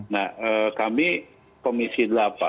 nah kami komisi delapan